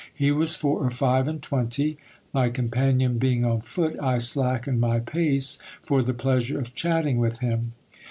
He was four or five and twenty. My companion being on foot, I slackened my pace, for the pleasure of chatting with him.